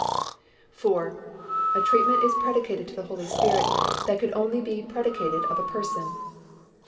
IV. _A treatment is predicated to the Holy Spirit that could only be predicated of a Person.